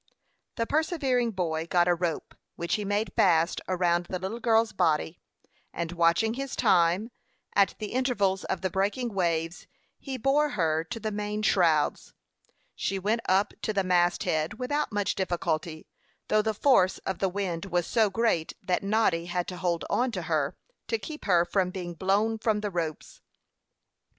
The persevering boy got a rope, which he made fast around the little girl's body, and watching his time, at the intervals of the breaking waves, he bore her to the main shrouds. She went up to the mast head without much difficulty, though the force of the wind was so great that Noddy had to hold on to her, to keep her from being blown from the ropes.